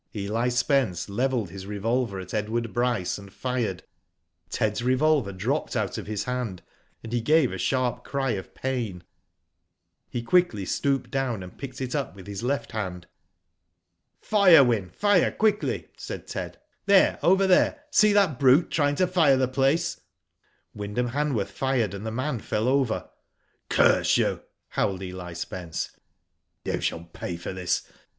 Eli Spence levelled his revolver at Edward Bryce and fired. Ted's revolver dropped out of his hand, and he gave a sharp cry of pain. He quickly stooped down, and picked it up with his left, hand. "Fire, Wyn, fire quickly," said Ted. "There, over there. See that brute trying to fire the place." Wyndham Hanworth fired, and the man fell over. "Curse you," howled Eli Spence. '^You shall pay for this.